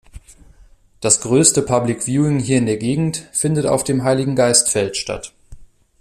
Das größte Public Viewing hier in der Gegend findet auf dem Heiligengeistfeld statt.